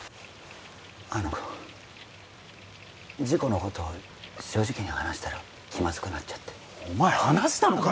あの事故のこと正直に話したら気まずくなっちゃってお前話したのかよ？